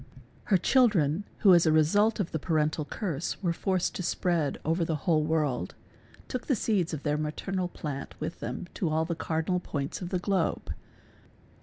Her children, who, as a result of the parental curse, were forced to spread over the whole ; world, took the seeds of their maternal plant with them to all the cardina L points of the globe.